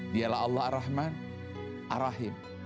dialah allah ar rahman ar rahim